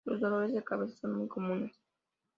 Los dolores de cabeza son muy comunes.